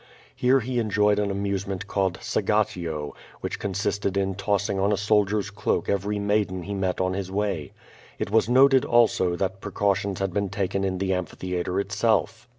Here he enjoyed an amusement called "Sag 0170 VADI8. 473 gatio/^ which consisted in tossing on a soldier's cloak every maiden he met on his way. It was noted, also, that precau tions had been taken in the amphitheatre itself.